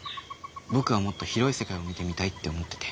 僕はもっと広い世界を見てみたいって思ってて。